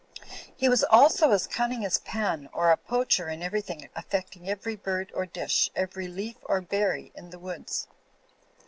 He was also as cunning as Pan or a poacher in ever)rthing affecting every bird or dish, every leaf or berry in the woods.